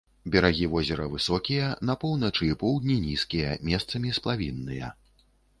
Берагі возера высокія, на поўначы і поўдні нізкія, месцамі сплавінныя.